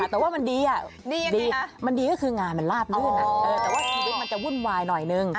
แต่ว่ามันดียังไงมันดีก็คืองานมันลาบลื่นแต่ว่าชีวิตมันจะวุ่นวายหน่อยนึง